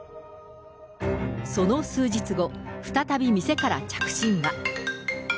その数日後、再び店から着信が。